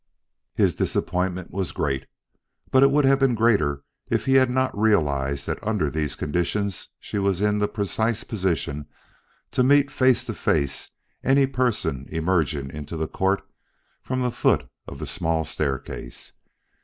His disappointment was great; but it would have been greater if he had not realized that under these conditions she was in the precise position to meet face to face any person emerging into the court from the foot of the small staircase.